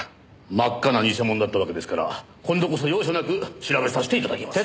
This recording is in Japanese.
真っ赤な偽物だったわけですから今度こそ容赦なく調べさせて頂きます。